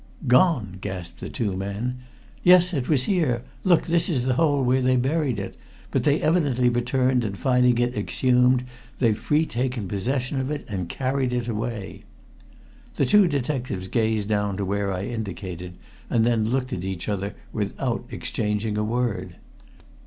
"Gone!" gasped the two men. "Yes. It was here. Look! this is the hole where they buried it! But they evidently returned, and finding it exhumed, they've retaken possession of it and carried it away!" The two detectives gazed down to where I indicated, and then looked at each other without exchanging a word.